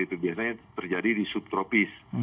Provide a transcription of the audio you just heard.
itu biasanya terjadi di subtropis